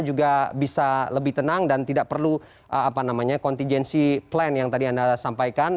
juga bisa lebih tenang dan tidak perlu contingency plan yang tadi anda sampaikan